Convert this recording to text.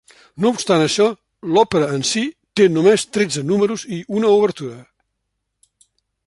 No obstant això, l'òpera en si té només tretze números i una obertura.